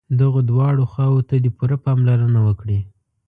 دغو دواړو خواوو ته دې پوره پاملرنه وکړي.